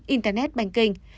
internet banh kinh